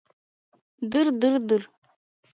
Дыр-дыр-дыр...